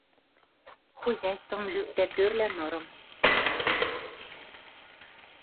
Хозяйствым лӱктӓ, тӧрла нырым